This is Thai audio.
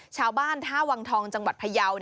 ชาวบ้านท่าวังทองจังหวัดพยาว